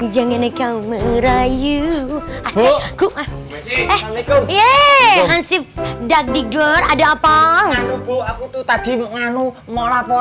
jangan aku merayam